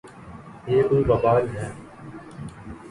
یہ کوئی وبال ہے۔